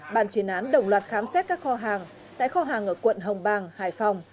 bàn chuyển án đổng loạt khám xét các kho hàng tại kho hàng ở quận hồng bàng hải phòng